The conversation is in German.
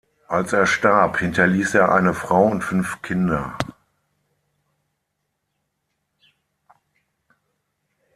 Als er starb, hinterließ er eine Frau und fünf Kinder.